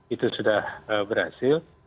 itu sudah berhasil